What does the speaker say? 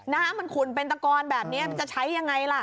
น้ำมันขุ่นเป็นตะกอนแบบนี้มันจะใช้ยังไงล่ะ